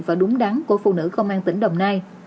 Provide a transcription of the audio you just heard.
và đúng đắn của phụ nữ công an tỉnh đồng nai